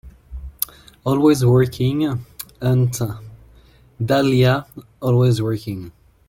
Always working, Aunt Dahlia, always working.